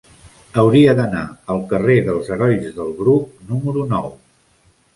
Hauria d'anar al carrer dels Herois del Bruc número nou.